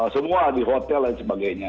semua di hotel dan sebagainya